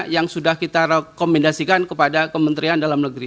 yang sudah kita rekomendasikan kepada kementerian dalam negeri